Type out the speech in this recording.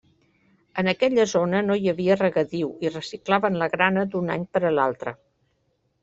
En aquella zona no hi havia regadiu i reciclaven la grana d'un any per a l'altre.